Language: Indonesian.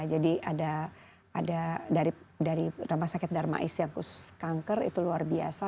jadi ada dari rumah sakit darmais yang khusus kanker itu luar biasa